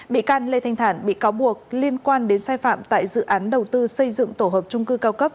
bị can lê thanh thản bị cáo buộc liên quan đến sai phạm tại dự án đầu tư xây dựng tổ hợp trung cư cao cấp